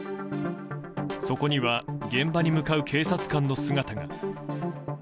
そこには現場に向かう警察官の姿が。